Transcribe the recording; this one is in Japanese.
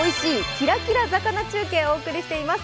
キラキラ魚中継」をお送りしています。